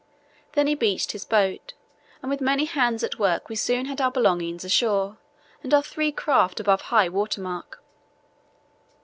Then he beached his boat, and with many hands at work we soon had our belongings ashore and our three craft above high water mark.